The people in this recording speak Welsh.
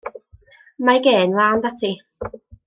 Mae gên lân 'da ti.